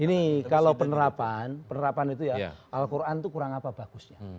ini kalau penerapan penerapan itu ya al quran itu kurang apa bagusnya